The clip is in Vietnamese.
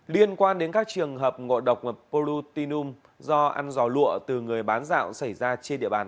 liên quan đến các trường hợp ngộ độc polutinum do ăn giò lụa từ người bán dạo xảy ra trên địa bàn